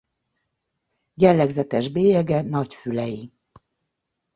Jellegzetes bélyege nagy fülei.